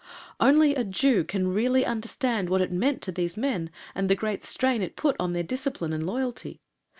Only a Jew can really understand what it meant to these men, and the great strain it put on their discipline and loyalty.